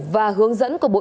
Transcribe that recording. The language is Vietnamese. và hướng dẫn của bộ y tế